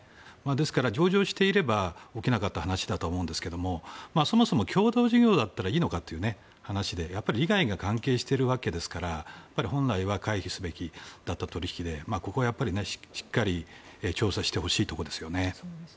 ですから上場していれば起きなかった話だとは思いますがそもそも共同事業だったらいいのかという話で利害が関係しているわけですから本来は回避すべきだった取引でここは、しっかり調査してほしいところですよね。